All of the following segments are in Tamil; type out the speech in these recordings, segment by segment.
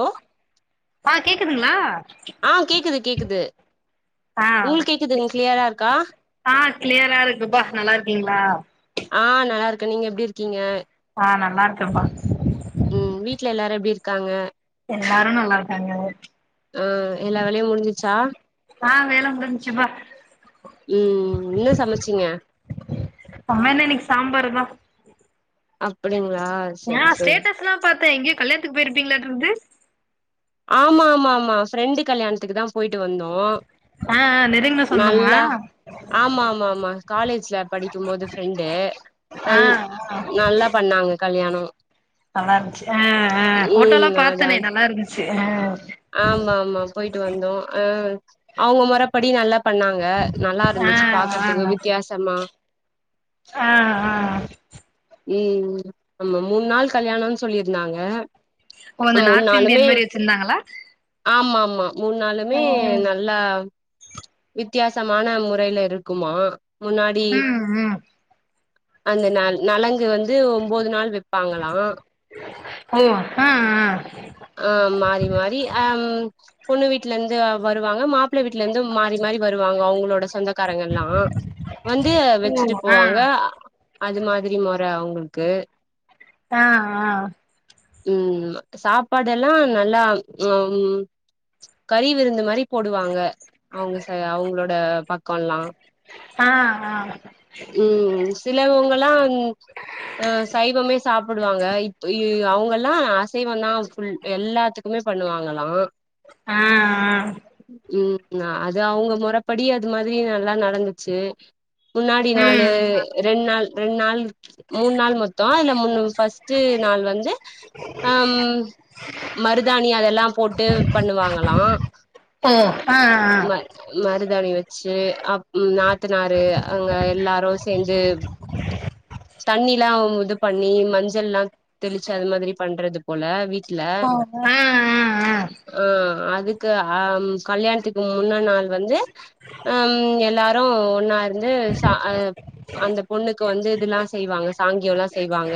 ஹலோ ஆ கேக்குதுங்ளா ஆ கேக்குது கேக்குது ஆ உங்களுக் கேக்குதுங் க்ளியரா இருக்கா ஆ க்ளியரா இருக்குப்பா நல்லார்க்கீங்ளா ஆ நல்லாருக்கே நீங்க எப்டி இருக்கீங்க ஆ நல்லாருக்கேப்பா ம் வீட்ல எல்லாரு எப்டி இருக்காங்க எல்லாரு நல்லாருக்காங்க ம் எல்லா வேலையு முடிஞ்சிர்ச்சா ஆ வேல முடிஞ்ச்சிப்பா ம் என்ன சமச்சீங்க பா என்ன இன்னிக் சம்பாரு தா அப்படிங்ளா ஏ ஸ்டேட்டஸ்ல்லா பாத்தே எங்யோ கல்யாண்த்துக் போய்ருப்பீங்களாட்ருக்து ஆமா ஆமா ஆமா ஃப்ரெண்டு கல்யாண்த்துக்கு தா போய்ட்டு வந்தோ ஆ ஆ நெருங்குன சொந்தமா நல்லா ஆமா ஆமா ஆமா காலேஜ்ல படிக்கும்போது ஃப்ரெண்டு ஆ நல் நல்லா பண்ணாங்க கல்யாணோ நல்லாருந்ச்சி அ அ ம் ஃபோட்டோல்லா பாத்தனே நல்லா இருந்துச்சி ஆமாமா போயிட்டு வந்தோ அ அவங்க முறப்படி நல்லா பண்ணாங்க நல்லா ஆ ஆ இருந்துச்சு பாக்கறதுக்கு வித்தியாசமா ம் ம் ஆமா மூணு நாள் கல்யாணம்னு சொல்லிருந்தாங்க ஓ இந்த நார்த் இண்டியன் மாரி வச்சிருந்தாங்களா ஆமாமா மூணு ஆ நாளூமே நல்லா வித்தியாசமான முறையில இருக்குமா முன்னாடி ம் ம் அந்த ந நலங்கு வந்து ஒம்போது நாள் வைப்பாங்களா ஓ ம் ம் ஆ மாறி மாறி அ பொண்ணு வீட்ல இருந்து வருவாங்க மாப்ள வீட்ல இருந்து மாறி மாறி வருவாங்க அவங்களோட சொந்த க்காரங்கல்லா வந்து ஓ வைச்சுட்டு ஆ போவாங்க அது மாதிரி மொற அவங்களுக்கு ஆ ஆ ம் சாப் சப்பாடெல்லா நல்லா ம் கறி விருந்து மாரி போடுவாங்க அவங்க ச அவங்ளோட பக்கோல்லா ஆ ஆ ம் சிலவங்கல்லா அ சைவமே சாப்பிடுவாங்க இப்ப அவங்க எல்லா அசைவந்தா ஃபுல் எல்லாத்துக்குமே பண்ணுவாங்களா ம் ம் ம் அது அவங்க முறப்படி அது மாதிரி நல்லா நடந்துச்சு முன்னாடி நாலு ம் ரெண் நாள் ரெண் நாள் மூணு நாள் மொத்தோ இல்ல மூன்னு ஃபஸ்ட்டு நாள் வந்து ம் மருதாணி அதெல்லா போட்டு பண்ணுவாங்களா ஓ அ அ ம மருதாணி வச்சு அ ம் நாத்தனாரு அங்க எல்லாரு சேந்து தண்ணிலா இது பண்ணி மஞ்சள்லா தெளிச்சு அது மாதிரி பண்றது போல வீ ஓ ம் ம் ம் ஆ அதுக்கு அ கல்யாணத்துக்கு முன்ன நாள் வந்து ம் எல்லாரு ஒன்னா இருந்து ச அந்த பொண்ணுக்கு வந்து இதெல்லா செய்வாங்க சாங்கியோல்லா செய்வாங்க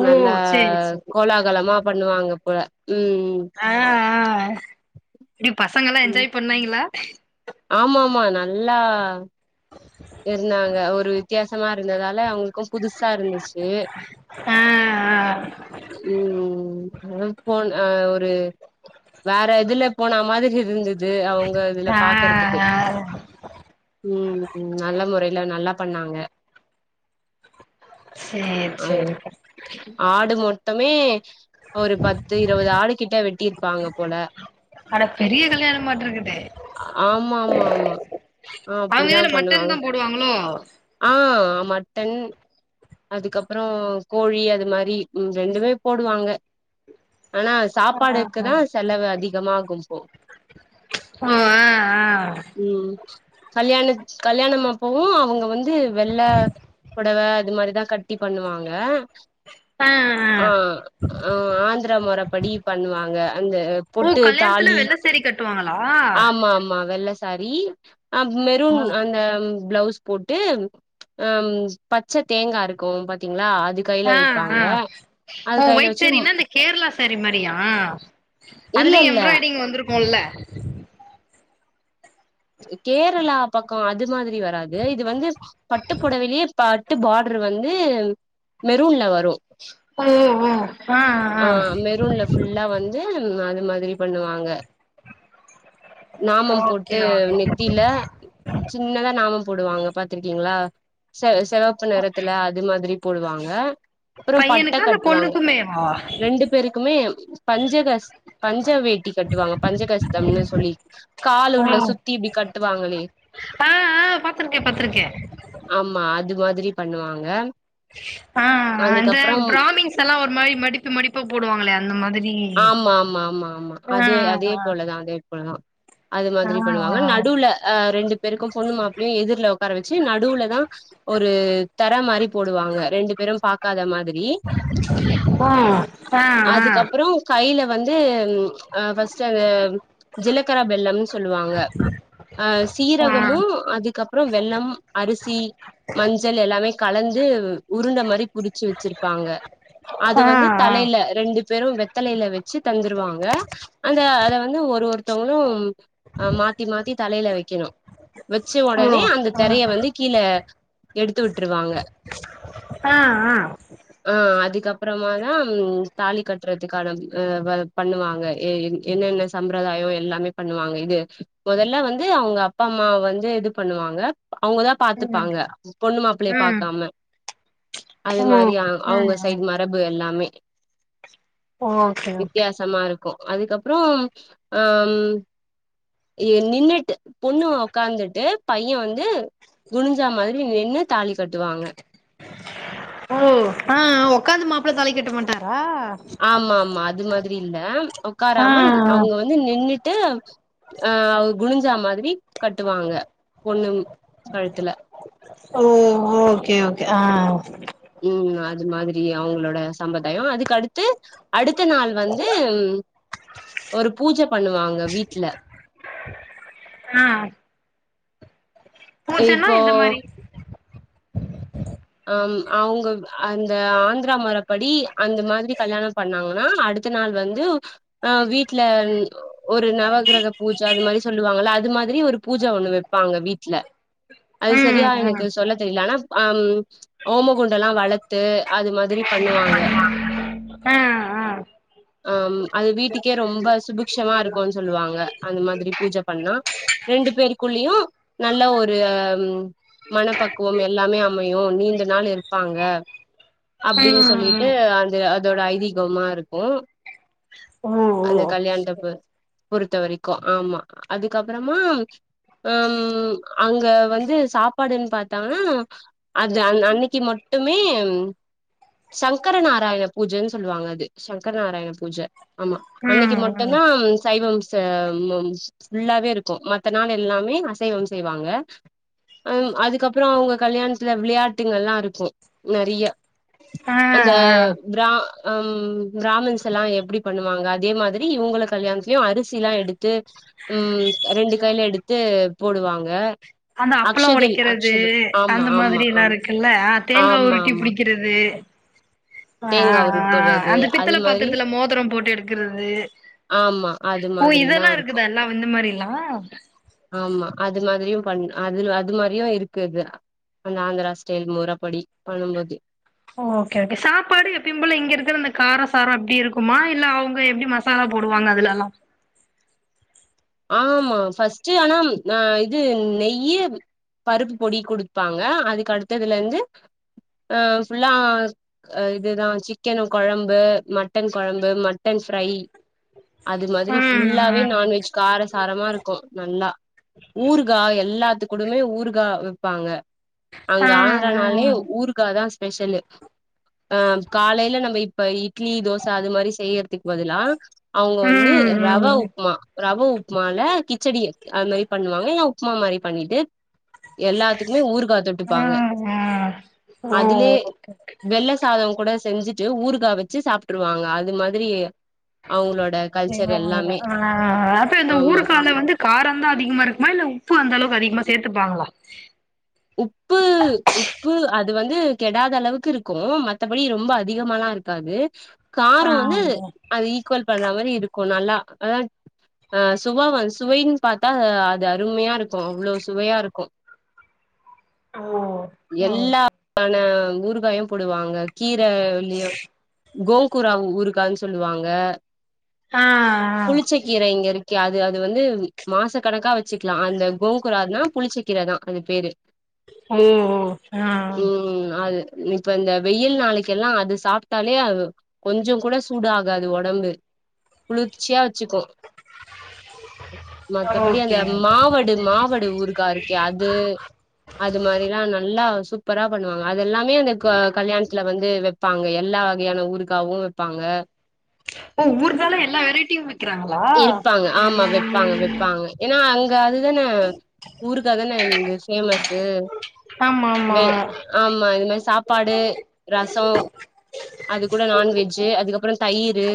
ஓ நல்ல சேரி சேரி கோலாகலமா பண்ணுவாங்க போல ம் அ அ இப்டி பசங்க எல்லா என்ஜாய் பண்ணாய்ங்களா ஆமாமா நல்லா இருந்தாங்க ஒரு வித்தியாசமா இருந்ததால அவங்களுக்கு புதுசா இருந்துச்சு ஆ ஏ ம் அ போ அ ஒரு வேற இதுல போன மாதிரி இருந்துது து அவங்க இதுல ஆ ஆ பாக்கறதுக்கு ஆ ம் ம் நல்ல முறைல நல்லா பண்ணாங்க சேரி அ சேரிங்க ஆடு மொத்தமே ஒரு பத்து இருவது ஆடு கிட்ட வெட்டியிருப்பாங்க போல அட பெரிய கல்யாண மாட்டிருக்குது ஆமா ஆமா ஆமா ஆ அவங்க அப்டிதா இதுல ம மட்டன் பண்ணுவாங்க தா போடுவாங்களோ ஆ மட்டன் அதுக்கப்புறம் கோழி அது மாரி ம் ரெண்டுமே போடுவாங்க ஆனா ஆ ஆ சாப்பாடுக்குதான் செலவு அதிகமாகும் போ ஓ ஆ ஆ ம் கல்யாணத் கல்யாணம் அப்பவும் அவங்க வந்து வெள்ள புடவ அது மாதிரிதா கட் டி பண்ணுவாங்க ஆ ஆ ஆ ஆ ஆந்திர மொறப்படி பண்ணுவாங்க அந்த ஓ பொட்டு கல்யாணத்துல தாலி வெள்ள சேரி கட்டுவாங்களா ஆமா ஆமா வெள்ள சாரி அ மெரூன் ஆ அந்த பிளவுஸ் போட்டு அம் பச்ச தேங்காய் இருக்கும் பாத்தீங்களா அதுக் ஆ ஆ ஓ ஒயிட் வச்சு சாரின்னா இந்த கேரளா சாரி மாதிரியா இல்ல அதுலயும் இல்ல எப்ராய்டரிங் வந்திருக்கும்ல்ல கேரளா பக்க அது மாதிரி வராது இது வந்து பட்டு புடவிலேயே பட்டு பார்டர் வந்து மெரூன்ல வரும் ஆ மெரூன்ல ஃபுல்லா வந்து அது மாதிரி பண்ணுவாங்க நாமம் ஓகே போட்டு ஓகே நெத்தில சின்னதா நாமம் போடுவாங்க பாத்துருக்கீங்களா செக செவப் பு நேரத்துல அது மாதிரி போடுவாங்க அப்புறம் பட்டை பையனுக்கா இல்ல கட்டுவாங்க பொண்ணுக்குமேவா ரெண்டு பேருக்குமே பஞ்சகஷ் பஞ்ச வேட்டி கட்டுவாங்க பஞ்ச கஷ்தம்னு சொல்லி காலு ஓ உள்ள சுத் தி கட்டுவாங்களே ஆ ஆ பாத்திருக்கே பாத்திருக்கே ஆமா அது மாதிரி பண்ணுவாங்க ஆ அந்த அதுக்கப்புறம் பிராமின்ஸ் எல்லா ஒரு மாரி மடிப்பு மடிப்பா போடுவாங்களே அந்த மாதிரி ஆமாமாமா ஆமா ஆ அதே அதேப் போலதா அதேப் போலதா அது ஆ மாதிரி வாங்க ஆ நடுவுல அ ரெண்டு பேருக்கும் பொண்ணு மாப்பிளையும் எதிர்ல உட்கார வச்சு நடுல தா ஒரு தெர மாரி போடுவாங்க ரெண்டு பேரும் பாக் காத மாதிரி ஓ ஆ ஆ அதுக்கப்புறோ கைல வந்து ஆ ஃபஸ்ட் அந்த ஜிலக்கர பெள்ளம்னு சொல் லுவாங்க ஆ ஆ சீரகமும் அதுக்கப்புற வெள்ளம் அரிசி மஞ்சள் எல்லாமே கலந்து உருண்ட மாரி புடுச்சு வச்சிருப்பாங்க அது ஆ வந்து ஆ தலைல ரெண்டு பேரும் வெத்தலையில வச்சு தந்துருவாங்க அந்த அத வந்து ஒரு ஒருத்தங்களும் ஆ மாத்தி மாத்தி தலைல வைக்கணு வச்ச ஓ உடனே அந்த தெரைய ஆ வந்து கீழ எடுத்து விட்டுருவாங்க ஆ ஆ ஆ அதுக்கப்புறமாதா தாலி கட்டுறதுக்கான அ வே பண்ணுவாங்க எ என்னென்ன சம்பிரதாயம் எல்லாமே பண்ணுவாங்க இது மொதல்ல வந்து அவுங்க அப்பா அம்மா வந்து இது பண்ணுவாங்க அவுங்கதா ம் பாத்துப்பாங்க பொண்ணு மாப்பிள்ளைய ம் பாக்காம அது ஓ மாரி ஆ அவுங்க ஆ சைட் மார் மரபு எல்லாமே ஓகே ஓகே வித்தியாசமா இரு க்கும் அதுக்கப்புறம் அம். எ நின்னுட்டு பொண்ணு உக்காந்துட்டு பையன் வந்து. குனிஞ்சா மாரி நின்னு தாலி கட்டுவாங்க ஓ ஆ ஒக்காந்து மாப்ள தாலி கட்ட மாட்டாரா ஆமா ஆமா அது மாதிரி இல்ல ஆ ஒக்காராம ஆ அவங்க வந் வந்து நின்னுட்டு ஆ குனிஞ்சா மாதிரி கட்டுவாங்க பொண்ணும் கழுத்துல ஓ ஓகே ஓகே ஆ ம் அது மாதிரி அவங்களோட சம்பர்தாயோ அதுக்கடுத்து அடுத்த நாள் வந்து ஒரு பூஜ பண்ணுவாங்க வீட்ல ஆ பூஜன்னா இப்போ இந்த மாரி ஆம் அவங்க அந்த ஆந்ரா மொறப்படி அந்த மாதிரி கல்யாணோ பண்ணாங்கன்னா அடு. த்த நாள் வந்து ஆ வீட்ல ஒரு நவகிரக பூஜ அது மாதிரி சொல்லுவாங்கல்ல அது மாதிரி ஒரு பூஜ ஒன்னு வைப்பாங்க வீட்ல அது ம் சரியா ம் எனக்கு சொல்ல தெரில ஆனா அம் ஓமகுண்டலா வளத்து அது மாதிரி பண்ணுவாங்க ஆ ஆ அம் அது வீட்டுக்கே ரொம்ப சுபிக்ஷமா இருக்குன் சொல்லுவாங்க அந் மாதிரி பூஜ பண்ணா ரெண்டு பேருக்குள்ளியு நல்ல ஒரு மனப்பக்குவம் எல்லாமே அமையு யு நீண்ட நாள் இருப்பாங்க அப்டின் ம் சொல்லிட்டு ம் அது அதோட ஐதீகமா இருக்கு ஓ ஓ அந்த கல்யாண தப்ப பொறுத்த வரைக்கு ஆமா அதுக்கப்றமா ம் அங்க வந்து சாப்பாடுன் பத்தாங்கன்னா அது அ அன்னைக்கு மட்டுமே சங்கர நாராயண பூஜைன் சொல்லுவாங்க அது சங்கர நாராயண பூஜ ஆமா ம் அன்னைக்கு ம் மட்டுந்தா சைவம்ஸ் அ மோம்ஸ் ஃபுல்லாவே இருக்கு மத்த நாள் எல்லாமே அசைவம் செய்வாங்க ம் அதுக்கப்றோ அவங்க கல்யாணத்துல விளையாட்டுங்கள்லா இருக்கு நெறைய ஆ அந்த ஆ ப்ரா ம் ப்ராமன்ஸ்லா எப்டி பண்ணுவாங்க அதே மாதிரி இவங்கல கல்யாண திலயு அரிசி எல்லா எடுத்து ம் ரெண்டு கைல எடுத்து போடுவாங்க அது அப்லோ அக்ஷதைல் ஒடைக்கறது அக்ஷதை ஆமா அந்த ஆமா மாதிரிலா ஆமா இருக்குல்ல தேங்கா ஆமா உருட்டி ஆமா புடிக்கிற து ஆ தேங்கா உருட்டுறது அந்த அது பித்தள மாரி பாத்துரத்துல மோதிரம் போட்டு எடுக்குறது ஆமா அது ஓ மாதிரில்லா இதெல்லா இருக்கு இருக்குதா எல்லா இந்த மாதிரிலா ஆமா அது மாதிரியு பண் அது அது மாரியு இருக்குது அந்த ஆந்திரா ஸ்டைல் முறப்படி பண்ணபோதி ஓகே ஓகே சாப்பாடு எப்பியு போல இங்க இருக்குற அந்த காரோ சாரோ அப்டி இருக்குமா இல்ல அவங்க எப்டி மாசாலா போடுவாங்க அதுலலா ஆமா ஃபஸ்ட்டு ஆனா ஆ இது நெய்யு பருப்பு பொடி குடுப்பாங்க அதுக்கடுத்ததுலேந்து ஆ ஃபுல்லா அ இதுதா சிக்கனு கொழம்பு மட்டன் கொழம்பு மட்டன் ஃப்ரை அது மாதிரி ம் ஃபுல்லாவே ம் நான்வெஜ் கார சாரமா இருக்கு நல்லா ஊறுகா எல்லாத்து கூடமே ஊறுகா வைப்பாங்க ஆ அங்க ஆந்ரானாலே ஆ ஊறுகாதா பெஷலு ஆ காலைல நம்ப இப்ப இட்லி தோச அது மாரி செய்ய திக்கு பதிலா அவங்க வந்து ம் ரவ ம் உப்புமா ரவ உப்புமால கிச்சடி அது மாரி பண்ணுவாங்க இல்னா உப்மா மாரி பண்ணிட்டு எல்லாத்துக்குமே ஊருகா தொட்டுப்பாங்க ம் ம் ஓ அதுலே ஓகே வெள்ள சாத கூட செஞ்சி ட்டு ஊருகா வச்சு சாப்ட்டுருவாங்க அது மாதிரி அவங்களோட [unintelligible] கல்ச்சர் மொறையில எல்லாமே ஆ அது இந்த ஆமா ஊருகால வந்து காரந்தா அதிகமா இருக்குமா இல்ல உப்பு அந்தளவுக்கு அதிகமா சேத்துப்பாங்களா உப்பு உப்பு அது வந்து கெடாத அளவுக்கு இருக்கு மத்தபடி ரொம்ப அதிகமால்லா இருக் காது ஆ காரோ வந்து அது ஈக்குவல் பண்ற மாரி இருக்கு நல்லா அதா ஆ சுவாவ சுவைனு பாத்தா அது அருமையா இருக்கு அவ்ளோ சுவையா இருக்கு ஓ ஓ எல்லாமான ஊறுகாயு போடுவாங்க கீர வெந்திய கோகூராங் ஊருகானு சொல்லுவாங்க ஆ புளிச்ச கீர இங்க இருக் கு அது அது வந்து மாச கணக்கா வச்சுக்கலா அந்த கோங்கூரானா புளிச்ச கீர தா. அது பேரு ஓ ஓ ஆ ம் அது இப்ப இந்த வெயில் நாளைக்குலா அது சாப்ட்டாலே அது கொஞ்சங் கூட சூடு ஆகாது ஒடம்பு குளிர்ச்சியா வச்சுக்கு ஆ மத்தபடி அந்த ஓகே மாவ டு மாவடு ஊருகா இருக்கே அது அது மாரில்லா நல்லா சூ ப்பரா பண்ணுவாங்க அதெல்லாமே அந்த க கல்யாணத்துல வந்து வெப் வப்பாங்க எல்லா வகையான ஊருகாவு வப்பாங்க ஆ ஊர்கால எல்லா வெரைட்டியுமே இருப்பாங்க ஆமா வப்பாங்க வப்பாங்க ஏன்னா அங் க அதுதானா ஊருகா தான இங்க பேமஸு ஆமா ஆமா ஆமா இது மாரி சாப்பாடு ரசோ அது கூட நாண்வெஜ்ஜு அதுக்கப்புற தயிரு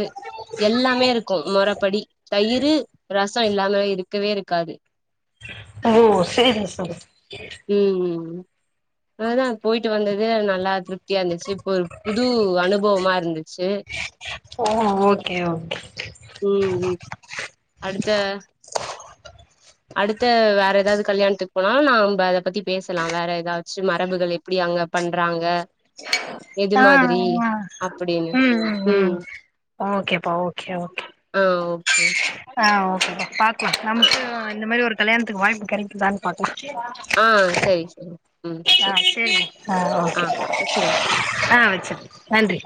எல்லாமே இருக்கு மொறப் படி தயிரு ரச இல்லாமே இருக்கவே இருக்காது ஓ சேரிங்க சிஸ் ம் ம் [inaudible] அதுதா போய்ட்டு வந்தது நல்லா திருப்தியா இருந்துச்சு இப்போ ஒரு புது அனுபவமா இருந்துச்சு ஓ ஓகே ஓகே ம் ம் அடுத்த [inaudible] அடுத்த வேற ஏதாது கல்யாணத்துக்கு போனா நாம்ப அத பத்தி பேசலா வேற ஏதாச்சு மரபுகளி அப்டியாங்க பண்றாங்க எது ஆ மாதிரி ஆ அப்டினு ம் ஓகேப்பா ஓகே ஓகே ஆ ஓகே ஆ ஓகேப்பா பாக்லா நமக்கு இந்த மாரி ஒரு கல்யாணத்துக்கு வாய்ப்பு கிடைக்குதானு பாக்லா ஆ சரி சரி ம் ஆ சரி சேரி ஆ ஓகே ஆ வச்சிரு நன்றி